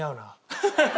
ハハハハ！